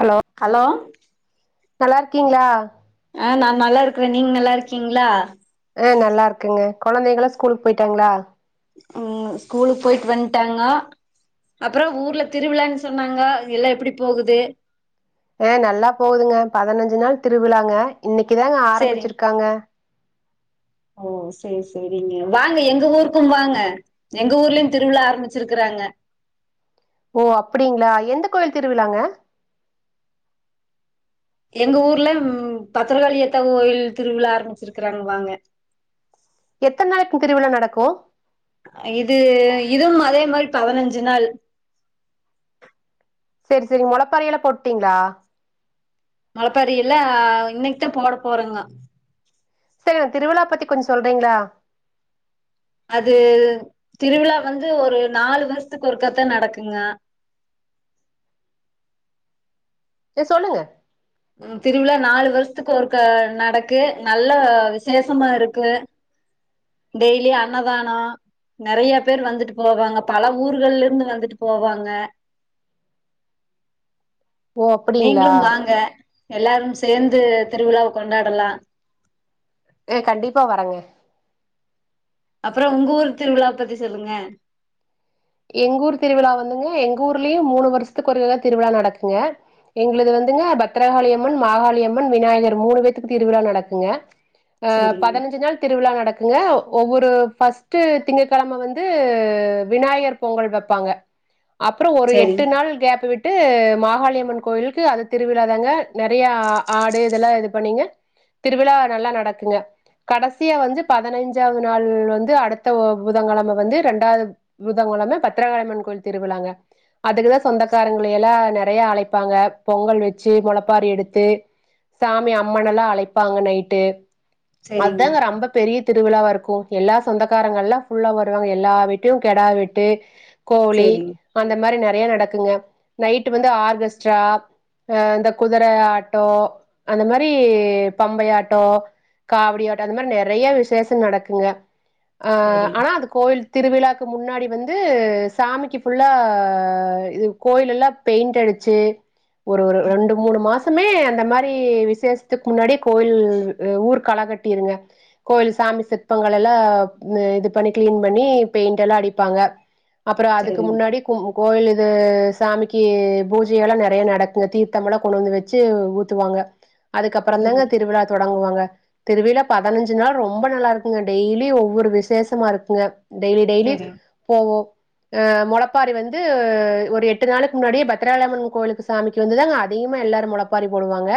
hello hello நல்லா இருக்கீங்ளா ஆ நாங் நல்லா இருக்கற நீங்க நல்லா இருக்கீங்ளா அ நல்லா இருக்குங்க குழந்தைகளா ஸ்கூலுக் போயிட்டாங்ளா உம் ஸ்கூலுக்கு போயிட்டு வன்டாங்கா அப்புறோ ஊர்ல திருவிழான் சொன்னாங்க எல்லா எப்டி போகுது அ நல்லா போகுதுங்க பதினஞ்சி நாள் திருவிழாங்க இன்னைக்குதாங்க சேரிங் ஆரம்பிச்சிருக்காங்க ஓ செரி செரிங்க வாங்க எங்க ஊருக்கு வாங்க எங்க ஊர்லயு திருவிழா ஆரம்மிச்சிருக்கிறாங்க ஓ அப்டிங்ளா எந்த கோயில் திருவிழாங்க எங்க ஊர்ல ம் பத்திரகாளியாத்த கோயில் திருவிழா ஆரம்பிச்சிருக்கறாங்க வாங்க எத்தன நாளைக்கு திருவிழா நடக்கு இது இதுவும் அதே மாரி பதினஞ்சி நாள் செரி செரி முளைப்பாரி எல்லா போட்டீங்ளா முளாப்பாரியில்லா இன்னைக்கு தா போட போறங்கோ சேரிங்க திருவிழா பத்தி கொஞ்சோ சொல்றீங்களா அது திருவிழா வந்து ஒரு நாலு வருஷத்துக்கு ஒருக்கத்தா நடக்குங்க ஏ சொல்லுங்க திருவிழா நாலு வருஷத்துக்கு ஒருக்க நடக்கு நல்ல விசேஷமா இருக்கு டெய்லியு அண்ணதானோ நெறைய பேர் வந்துட்டு போவாங்க பல ஊர்கள்ல இர்ந்து வந்துட்டு போவாங்க ஓ நீங்களு அப்படிங்களா வாங்க எல்லாரு சேந்து திருவிழாவ கொண்டாடலா அ கண்டிப்பா வரங்க அப்புறோ உங்க ஊர் திருவிழா பத்தி சொல்லுங்க எங்க ஊர் திருவிழா வந்துங்க எங்க ஊர்லயு மூணு வருஷ்த்துக்கு ஒருக்க தா திருவிழா நடக்குங்க எங்களுது வந்துங்க பத்தரகாளியம்மன் மாகாளியம்மன் விநாயகர் மூணு பேத்துக்கு திருவிழா நடக்குங்க அ செரிங் பதனஞ்சு நாள் திருவிழா நடக்குங்க ஒவ்வொரு ஃபஸ்ட்டு திங்க கெழம வந்து விநாயகர் பொங்கல் வெப்பாங்க அப்புறோ ஒரு எட்டு செரிங் நாள் கேப் விட் டு மாகாளியம்மன் கோயிலுக்கு அத திருவிழாதாங்க நெறைய ஆடு இதெல்லா இது பண்ணீங்க திருவிழா நல்லா நடக்குங்க கடசியா வந்து பதினஞ்சாவது நாள் வந்து அடுத்த புதன்கெழம வந்து ரெண்டாவது புதன் கெழம பத்ரகாளம்மன் கோவில் திருவிழாங்க அதுக்குதா சொந்தக்காரங்கள எல்லா நெறைய அழைப்பாங்க பொங்கல் வெச்சி மொளப்பாரி எடுத்து சாமி அம்மன எல்லா அழைப்பாங்க நைட்டு செரிங் அத்தாங்க ரொம்ப பெரிய திருவிழாவா இருக்கு எல்லா சொந்தக்காரங்கல்லா ஃபுல்லா வருவாங்க எல்லா வீட்லயு கெடா வெட்டு கோழி செரிங் அந்த மாரி நெறய நடக்குங்க நைட் வந்து ஆர்கஸ்ட்ரா அ இந்த குதிர ஆட்டோ அந்த மாரி பம்பை ஆட்டோ காவடியாட்டோ அந்த மாரி நெறய விசேஷம் நடக்குங்க ஆ செரிங் ஆனா அது கோவில் திருவிழாக்கு முன்னாடி வந் து சாமிக்கு ஃபுல்லா இது கோயில்ல எல்லா பெயிண்ட் அடிச்சி ஒரு ஒரு ரெண்டு மூணு மாசமே அந்த மாரி விசேஷத்துக்கு முன்னாடியே கோவில் ஊர் கள கட்டிருங்க கோயில் சாமி சிற்பங்கள் எல்லா இது பண்ணி கிளீன் பண்ணி பெயிண்ட் எல்லா அடிப்பாங்க அப்புறோ அதுக்கு செரிங் முன்னாடி கு கோயில் இது சாமிக்கு பூஜையெல்லா நெறைய நடக்குங்க தீர்த்தம் எல்லா கொண்டு வந்து வச்சி துவாங்க அதுக்கப்புறோ தாங்க செரிங் திருவிழா தொடங்குவாங்க திருவிழா பதினஞ்சு நாள் ரொம்ப நல்லா இருக்குங்க டெய்லி ஒவ்வொரு விசேஷமா இருக்குங்க டெய்லி டெய்லி செரிங் போவோ அ மொளப்பாரி வந்து ஒரு எட்டு நாளைக்கு முன்னாடியே பத்தராகாளியம்மன் கோவிலுக்கு சாமி இருந்துதாங்க அதிகமா எல்லாரு மொளப்பாரி போடுவாங்க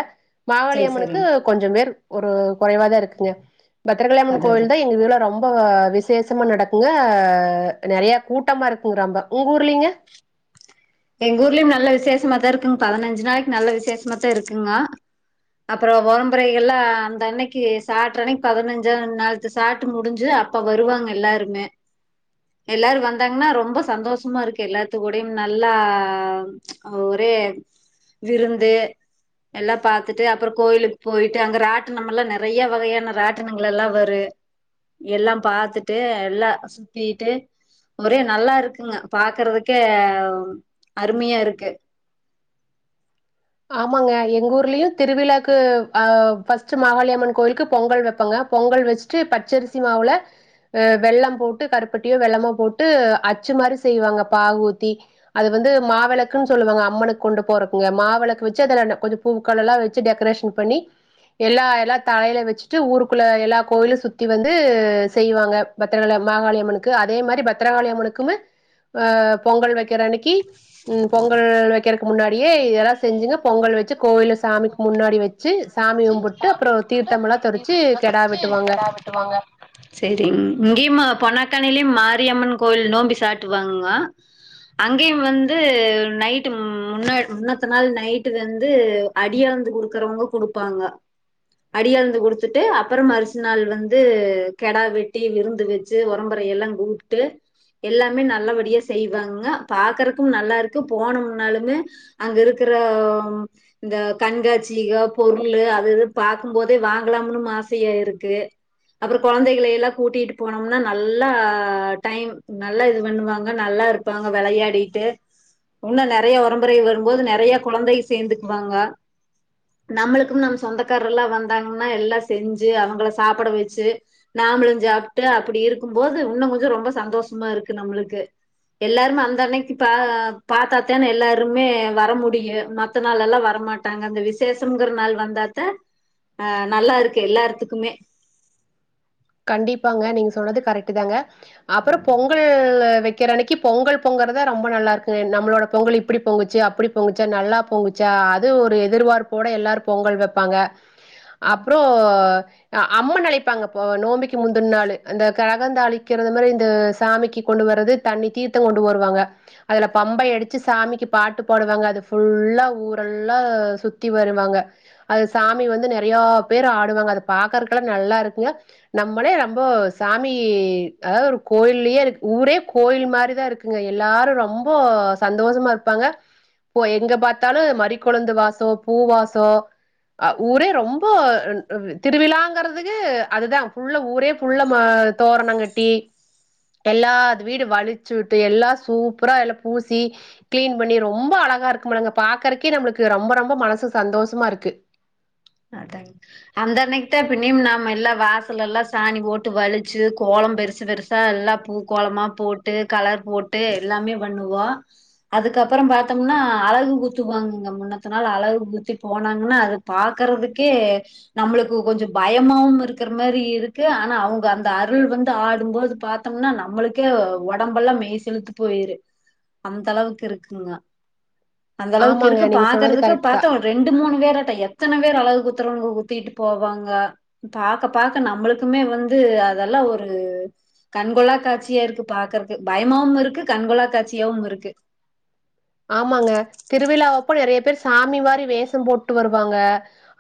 செரி மாகாளியம்மனுக்கு செரிங் கொஞ்ச பேர் ஒரு கொறைவா தா இருக்குங்க பத்தரகாளியம்மன் அதா அதா கோயில் தா எங்க இதுல ரொம் ப விசேஷமா நடக்குங்க நெறைய கூட்டமா இருக்குங்க ரெம்ப உங்க ஊர்லிங்க எங்க ஊர்லயு நல்ல விசேஷமா தா இருக்குங் பதினஞ்சு நாளைக்கு நல்ல விசேஷமா தா இருக்குங்க அப்புறோ வொறம்பறை கல்லா அந்த அன்னைக்கி சாட்ற அன்னைக் பதினஞ்சா நாள் சாட்டு முடிஞ்சி அப்ப வருவாங்க எல்லாருமே எல்லாரு வந்தாங்கனா ரொம்ப சந்தோஷமா இருக்கு எல்லாத்து கூடயும் நா நல்லா ஒரே விருந்து எல்லா பாத்துட்டு அப்புறோ கோயிலுக்கு போயிட்டு அங்க ராட்டனம் எல்லா நெறய வகையான ராட்டனங்கள் எல்லா வரு எல்லா பாத்துட்டு எல்லா சுத்திட்டு ஒரே நல்லா இருக்குங்க பாக்கறதுக்கே அருமையா இருக்கு ஆமாங்க எங்க ஊர்லயு திருவிழாக்கு அ ஃபஸ்ட்டு மாகாளியம்மன் கோயிலுக்கு பொங்கல் வப்பங்க பொங்கல் வச் சு பச்சரிசி மாவுல அ வெள்ளம் போட்டு கருப்பட்டியோ வெள்ளமோ போட்டு அச்சு மாரி செய்வாங்க பாகு ஊத்தி அது வந்து மாவிளக்குன் சொல்லுவாங்க அம்மனுக்கு கொண்டு போறக்குங்க மாவளக்கு வச்சு அதல கொஞ்ச பூக்கெல்லலா வச்சு டெக்கரேஷன் பண்ணி எல்லா எல்லா தலையில வச்சுட்டு ஊருக்குள்ள எல்லா கோயிலு சுத்தி வந்து செய்வாங்க பத்திரகாளி மாகாளியம்மனுக்கு அதே மாரி பத்தரகாளிம்மனுக்குமே அ பொங்கல் வைக்கிற அன்னைக்கி ம் பொங்கல் வைக்கிறக்கு முன்னாடியே செஞ்சுங்க இதெல்லாம் பொங்கல் வச்சு செஞ்சு கோயில பொங்கல் வச்சு சாமிக்கு கோவிலுக்கு முன்னாடி வ சாமி ச்சு கூட்டு வர வச்சு சாமியும்பிட்டு சாமிய அப்புறோ கும்பிட்டு தீர்த்தமெல்லா தொரிச்சு கெடா வெட்டுவாங்க வாங்க சரிங்க இங்கேயும்மா பொனக்காணிலயும் மாரியம்மன் கோயில் நோம்பி சாட்டுவாங்க அங்கையும் வந்து நைட்டு முன்ன முன்னத்த நாள் நைட்டு வந்து அடியலந்து குடுக்குறவுங்க குடுப்பாங்க அடியழுந்து கொடுத்துட்டு அப்பறம் அரிசு நாள் வந்து கெடா வெட்டி விருந்து வச் ச்சு ஒரம்புறை எல்லா கூப்ட்டு எல்லாமே நல்லபடியா செய்வாங்க பாக்குறக்கும் நல்லா இருக்கு போன முன்னாலுமே அங்க இருக்குற இந்த கண்காட்சீக பொருளு அது எது பாக்கும்‌போது வாங்கலாம்னு ஆசையா இருக்கு அப்புறோ குழந்தைகளைய எல்லா கூட்டிட்டு போனோம்னா நல்லா டைம் நல்லா இது பண்ணுவாங்க நல்லா இரு ப்பாங்க விளையாடிட்டு இன்னு நறைய ஒரம்புறை வரும்போது நறைய குழந்தை சேந்துக்குவாங்க நம்மளுக்கும் நம் சொந்தக்கார எல்லா வந்தாங்கன்னா எல்லா செஞ்சு அவுங்கள சாப்பட வச்சு நாமளு சாப்ட்டு அப்படி இருக்கும்போது இன்னு கொஞ்சோ ரொம்ப சந்தோஷமா இருக்கு நம்பளுக்கு எல்லாருமே அந்த அன்னைக்கு பா பாத்தாத்தானே எல்லாருமே வர முடியு மத்த நாள்ல்லாம் வரமாட் டாங்க அந்த விசேஷம்ங்கிற நாள் வந்தாத்த அ நல்லா இருக்கு எல்லார்த்துக்குமே கண்டிப்பாங்க நீங்க சொல்லறது கரெக்ட்டு தாங்க அப்புறோ பொங்கல் வைக்கிற அன்னைக்கு பொங்கல் பொங்குறதா ரொம்ப நல்லா இருக்கு நம்மளோட பொங்கல் இப்படி பொங்குச்சு அப்படி பொங்குச்சா நல்லா பொங்குச்சா அது ஒரு எதிர்பார்ப்போட எல்லாரு பொங்கல் வைப்பாங்க அப்புறோ அம்மன் அழைப்பாங்க நோம்பிக்கு முந்தன் நாளு அந்த கரகந்தழிக்கிறது மாரி இந்த சாமிக்கு கொண்டு வர்றது தண்ணி தீர்த்தோ கொண்டு வருவாங்க அதுல பம்பை அடிச்சு சாமிக்கு பாட்டு படுவாங்க அது ஃபுல்லா ஊரெல்லா சுத்தி வருவாங்க அது சாமி வந்து நறைய பேர் ஆடுவாங்க அத பாக்குறக்குலா நல்லா இருக்குங்க நம்மளே நம்போ சாமி அதாவது ஒரு கோயிலயே இருக்கு ஊரே கோயில் மாரிதான் இருக்கு ங்க எல்லாரு ரொம்போ சந்தோஷமா இருப்பாங்க எங்க பாத்தாலு மறிக்கொழுந்து வாசோ பூ வாசோ ஊரே ரொம்ப அ அ திருவிழாங்கறதுகு அதுதா ஃபுல்லா ஊரே ஃபுல்லா மா தோரணங்கட்டி எல்லாது வீடு வலிச்சு உட்டு எல்லா சூப்பரா எல்லா பூசி கிளீன் பண்ணி ரொம்ப அழகா இருக்குமானுங்க பாக்குறக்கே நம்மளுக்கு ரொம்ப ரொம்ப மனசு சந்தோஷமா இருக்கு அதாங்க அந்த அன்னைக்கு தா பினியும் நம் எல்லா வாசல் எல்லா சாணி போட்டு வலிச்சு கோலம் பெருசு பெருசு ச எல்லா பூக்கோளமா போட்டு கலர் போட்டு எல்லாமே பண்ணுவோ அதுக்கப்புறம் பத்தோம்னா அழகு குத்துவாங்கங்க முன்னத்த நாள் அழகு குத்தி போனாங்கன்னா அது பாக் க்கறதுக்கே நம்மளுக்கு கொஞ்சோ பயமாவு இருக்கிற மாரி இருக்கு ஆனா அவுங்க அந்த அருள் வந்து ஆடும்போது பா த்தோம்னா நம்மளுக்கே உடம்பெல்லா மெய் சிலுத்து போயிரு அந்த அளவுக்கு இருக்குங்க அந்த அளவுக்கு ஆமாங்க இருக்கு நீங்க சொன்னது பாக்கறதுக்கு கரெக்ட் தா பாத்த ஒ ரெண்டு மூணு பேரட்ட எத்தனை வேர் அழகு குத்தறவங்க குத்திட்டு போவாங்க பாக்க பாக்க நம்மளுக்குமே வந்து அதெல்லா ஒரு கண்கொள்ளா காட்சியா இருக்கு பாக்கறக்கு பயமாவும் இருக்கு கண்கொள்ளா காட்சியாவும் இருக்கு ஆமாங்க திருவிழாவைப்ப நிறைய பேர் சாமி மாரி வேஷம் போட்டு வருவாங்க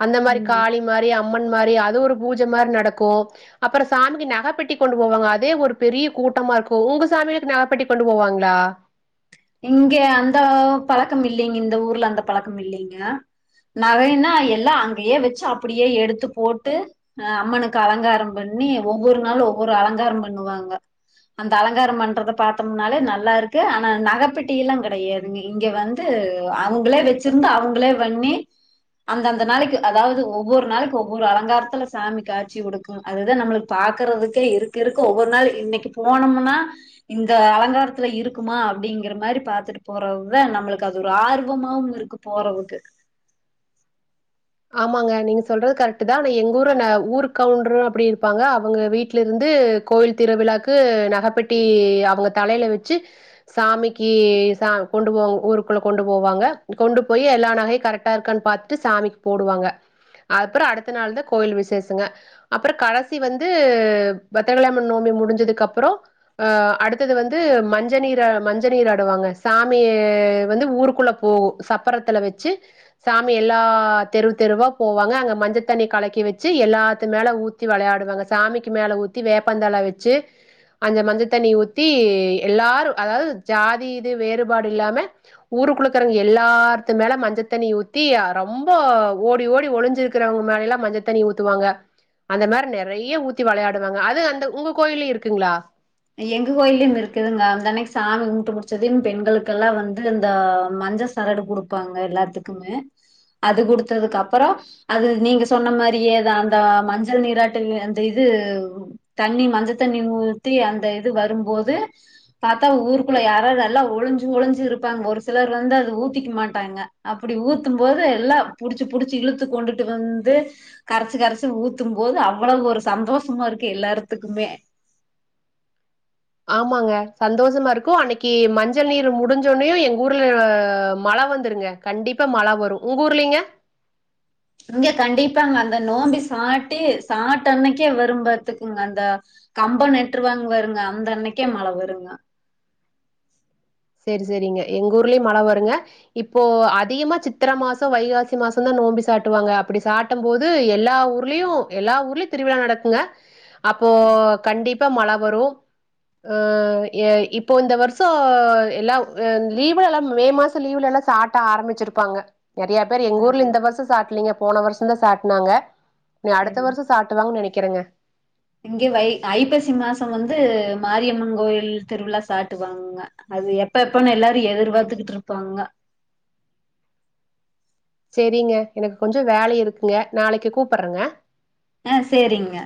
அந்த மாரி ம் காளி மாரி அம்மன் மாரி அது ஒரு பூஜ மாரி நடக்கு அப்பற சாமிக்கு நகப்பெட்டி கொண்டு போவாங்க அதே ஒரு பெரிய கூட்டமா இருக்கு உங்க சாமிகளுக்கு நகைப்பெட்டி கொண்டு போவாங்ளா இங்க அந்த பழக்கம் இல்லைங் இந்த ஊர்ல அந்த பழக்கம் இல்லைங்கோ நகைனா எல்லா அங்கயே வச்சு அப்படியே எடுத்து போட்டு அ அம்மனுக்கு அலங்காரம் பண்ணி ஒவ்வொரு நாளு ஒவ்வொரு அலங்காரம் பண்ணுவாங்க அந்த அலங்காரம் பண்றத பாத்தம்னாலே நல்லாருக்கு ஆனா நகை பெட்டியெல்லா கெடையாதுங்க இங்க வந்து அவுங்களே வச்சிருந்து அவுங்களே வண்ணி அந்தந்த நாளைக்கு அதாவது ஒவ்வொரு நாளைக்கு ஒவ்வொரு அலங்காரத்துல சாமி காட்சி கொடுக்கு அதுதா நம்மளுக்கு பாக்கறதுக்கே இருக்க இருக்க ஒவ்வொரு நாள் இன்னைக்கு போனம்னா இந்த அலங்காரத்துல இருக்குமா அப்டிங்கற துமாரி பாத்துட்டு போறதுதா நம்மளுக்கு அது ஒரு ஆர்வமாவு இருக்கு போறதுக்கு ஆமாங்க நீங்க சொல்றது கரெக்ட்டு தா ஆனா எங்க ஊரு ந ஊரு கவுண்ட்ரு அப்டி இருப்பாங்க அவுங்க வீட்ல இருந்து கோவில் திருவிழாக்கு நகைப்பெட்டி அவுங்க தலைல வச்சு சாமிக்கு சா கொண்டு போவாங்க ஊருக்குள்ள கொண்டு போவாங்க கொண்டு போய் எல்லா நகையு கரெக்டா இருக்கான் பாத் ட்டு சாமிக்கு போடுவாங்க அதுப்ற அடுத்த நாள் தா கோயில் விசேஷங்க அப்றோ கடைசி வந்து பத்தரகலாமன் நோமி முடிஞ்சதுக்கு அப்றோ ஆ அடுத்தது வந்து மஞ்ச நீர மஞ்ச நீர் ஆடுவாங்க சாமிய வந்து ஊருக்குள்ள போகு சப்பரத்துல வச்சு சாமி எல்லா தெரு தெருவா போவாங்க அங்க மஞ்ச தண்ணி கலக்கி வச்சு எல்லாத்துமேல ஊத்தி வெளையாடுவாங்க சாமிக்கு மேல ஊத் த்தி வேப்பந்தல வச்சு அஞ்ச மஞ்ச தண்ணி ஊத்தி எல்லாரு அதாவது ஜாதி இது வேறுபாடு இல்லாம ஊருக்குளுக்கறவங்க எல்லாத்து மேல மஞ்ச தண்ணி ஊத்தி ரொம் ப ஓடி ஓடி ஒளிஞ்சிருக்கிறவங்க மேலல்லா மஞ்சத்தண்ணி ஊத்துவாங்க அந்த மாரி நெறைய ஊத்தி வெளையாடுவாங்க அது அந்த உங்க கோயில்லயு இருக்குங்களா எங்க கோயில்லயும் இருக்குதுங்க அன்தனக்கு சாமி கும்ட்டு முடிச்சதயு பெண்களுக்கெல்லா வந்து இந்த மஞ்ச சரடு குடுப்பாங்க எல்லாத்துக்குமே அது குடுத்ததுக்கு அப்பறோ அது நீங்க சொன்ன மாரியே அந்த மஞ்சள் நீராட்டுங் அந்த இது தண்ணி மஞ்ச தண்ணி ஊத்தி அந்த இது வரும்போது பாத்தா ஊருக்குள்ள யாரார்ரெல்லா ஒளிஞ்சு ஒளிஞ்சு இருப்பாங்க ஒரு சிலர் வந்து அது ஊத்திக்க மாட்டாங்க அப்டி ஊத்தும் போது எல்லா புடுச்சு புடுச்சு இழுத்து கொண்டுட்டு வந்து கரச்சு கரச்சு ஊத்தும் போது அவ்ளோ ஒரு சந்தோஷமா இருக்கு எல்லார்த்துக்குமே ஆமாங்க சந்தோஷமா இருக்கு அன்னைக்கு மஞ்சள் நீர் முடிஞ்சோனுயு எங்க ஊர்ல மழ வந்துருங்க கண்டிப்பா மழ வரு உங்க ஊர்லிங்க இங்க கண்டிப்பாங்க அந்த நோம்பி சாட்டி சாட்டன்னக்கே வரும்பாத்துக்குங்க அந்த கம்ப நட்டுருவாங்க வாருங்க அந்த அன்னைக்கே மழ வருங்க செரி செரிங்க எங்க ஊர்லயு மழ வருங்க இப்போ அதிகமா சித்திர மாசோ வைகாசி மாச தா நோம்பி சாட்டுவாங்க அப்டி சாட்டு ம்போது எல்லா ஊர்லயு எல்லா ஊர்லயு திருவிழா நடக்குங்க அப்போ கண்டி ப்பா மழ வரு இப்போ இந்த வருஷோ எல்லாவ் லீவுல எல்லா மே மாச லீவ்ல எல்லா சாட்ட ஆரம்பிச்சிருப்பாங்க நிறைய மாரி எங்க ஊர்ல ஆமா இந்த வருஷம் சாட்டலீங்க போன வருஷம் தான் சாட்னாங்க நீ அடுத்த வருஷம் சாட்டுவாங்க நெனைக்கிறேங்க இங்கய வை ஐப்பசி மாசம் வந்து மாரியம்மன் கோயில் திருவிழா சாட்டுவாங்கங் க அது எப்ப எப்பன்னு எல்லாரும் எதிர்பார்த்துகிட்டு இருப்பாங்க செரிங்க எனக்கு கொஞ்சம் வேலை இருக்குங்க நாளைக்கு கூப்பறேங்க ஆ சேரிங்க